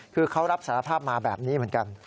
คือเขารับสารภาพมาแบบนี้เหมือนกัน